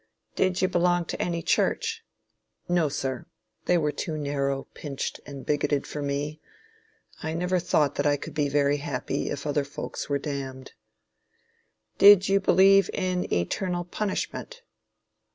Did you belong to any church? No sir. They were too narrow, pinched and bigoted for me, I never thought that I could be very happy if other folks were damned. Did you believe in eternal punishment?